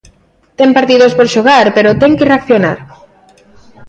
Ten partidos por xogar pero ten que reaccionar.